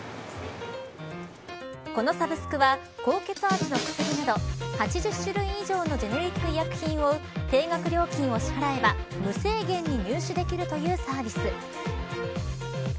このサブスクは高血圧の薬など８０種類以上のジェネリック医薬品を定額料金を支払えば無制限に入手できるというサービス。